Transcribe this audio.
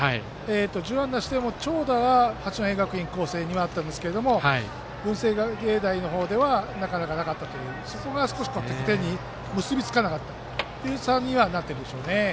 １０安打しても長打は八戸学院光星にあったんですけど文星芸大の方ではなかなか、なかったというのがそこが少し得点に結びつかなかったという差にはなってるでしょうね。